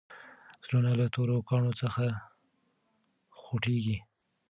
زړونه له تورو کاڼو څخه خوټېږي.